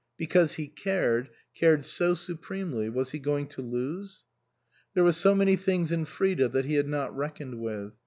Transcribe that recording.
Because he cared cared so supremely was he going to lose ? There were so many things in Frida that he had not reckoned with.